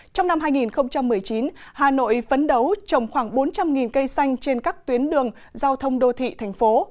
trong năm hai nghìn một mươi chín hà nội phấn đấu trồng khoảng bốn trăm linh cây xanh trên các tuyến đường giao thông đô thị thành phố